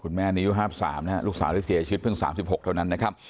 คุณแม่ในยุทธ๓ลูกสาวสิทธิ์สีชีวิตเพิ่ง๓๖เท่านั้นนะครับ